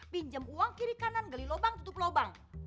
pinjam uang kiri kanan geli lubang tutup lubang